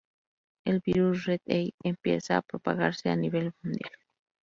El virus Red Eye empieza a propagarse a nivel mundial.